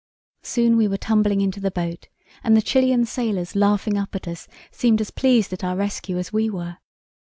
"Soon we were tumbling into the boat, and the Chilian sailors, laughing up at us, seemed as pleased at our rescue as we were.